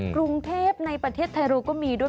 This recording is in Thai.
กรุงเทพในประเทศไทยเราก็มีด้วย